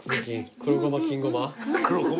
黒ごま金ごま。